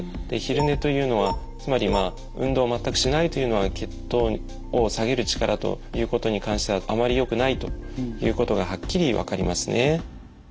で昼寝というのはつまりまあ運動を全くしないというのは血糖を下げる力ということに関してはあまりよくないということがはっきり分かりますね。